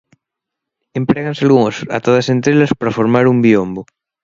Empréganse algunhas, atadas entre elas, para formar un biombo.